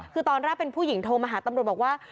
คือตอนแรกเป็นผู้หญิงโทรมาหาตำรวจบอกว่า